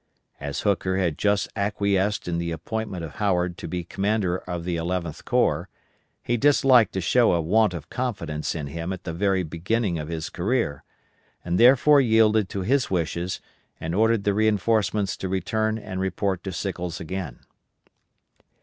As Hooker had just acquiesced in the appointment of Howard to be Commander of the Eleventh Corps, he disliked to show a want of confidence in him at the very beginning of his career, and therefore yielded to his wishes and ordered the reinforcements to return and report to Sickles again.